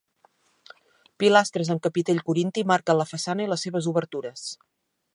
Pilastres amb capitell corinti marquen la façana i les seves obertures.